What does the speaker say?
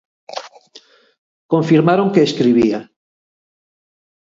Confirmaron que escribía.